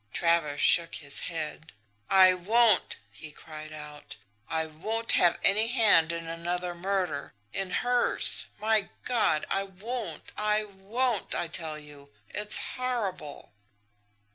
"Travers shook his head. "'I won't!' he cried out. 'I won't have any hand in another murder in hers! My God, I won't I won't, I tell you! It's horrible!'